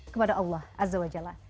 kepada allah azza wa jalla